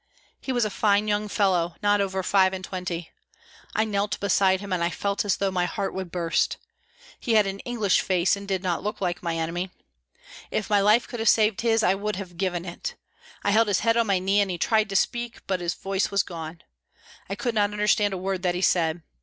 He was a fine young fellow, not over five and twenty. I knelt beside him and I felt as though my heart would burst. He had an English face and did not look like my enemy. If my life could have saved his I would have given it. I held his head on my knee and he tried to speak, but his voice was gone. I could not understand a word that he said.